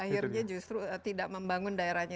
akhirnya justru tidak membangun daerahnya